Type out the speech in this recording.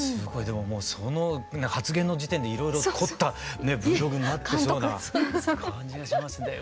でももうその発言の時点でいろいろ凝ったＶｌｏｇになってそうな感じがしますね。